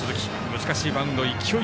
難しいバウンド勢い